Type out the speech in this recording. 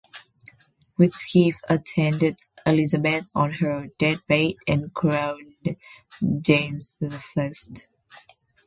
Whitgift attended Elizabeth on her deathbed, and crowned James the First.